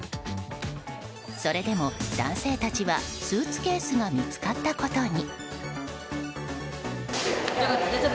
それでも、男性たちはスーツケースが見つかったことに。